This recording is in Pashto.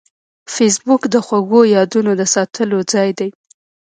فېسبوک د خوږو یادونو د ساتلو ځای دی